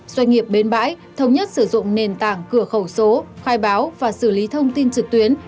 doanh nghiệp bến bãi thống nhất sử dụng nền tảng cửa khẩu số khai báo và xử lý thông tin trực tuyến